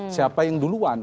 siapa yang duluan